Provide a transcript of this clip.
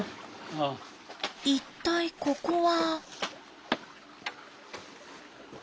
一体ここは？